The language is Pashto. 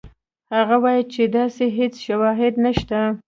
هغه وایي چې داسې هېڅ شواهد نشته.